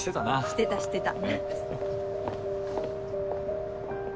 してたしてた。